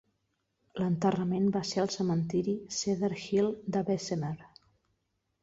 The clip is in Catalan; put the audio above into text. L'enterrament va ser al cementiri Cedar Hill de Bessemer.